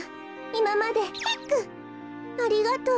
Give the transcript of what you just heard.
いままでヒックありがとう。